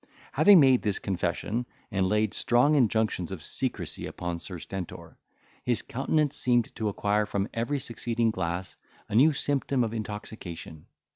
Having made this confession, and laid strong injunctions of secrecy upon Sir Stentor, his countenance seemed to acquire from every succeeding glass a new symptom of intoxication.